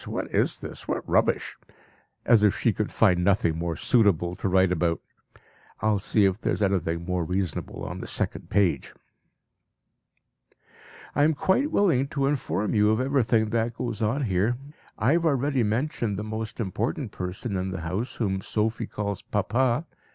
What is this? What rubbish! As if she could find nothing more suitable to write about! I will see if there is anything more reasonable on the second page.) "I am quite willing to inform you of everything that goes on here. I have already mentioned the most important person in the house, whom Sophie calls 'Papa.'